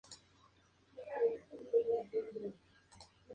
Sus conchas son comunes en muchas playas del mundo.